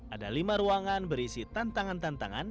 ada lima ruangan berisi tantangan tantangan